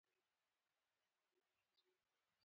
د سيّدنا عيسی عليه السلام ملګرو د عيسی علیه السلام